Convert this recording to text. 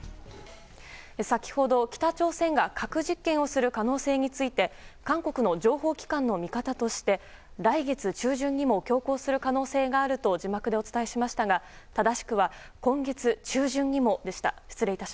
先ほど北朝鮮が核実験をする可能性について韓国の情報機関の見方として来月中旬にも強行する可能性があると字幕でお伝えしましたが正しくは今月中旬にもでした。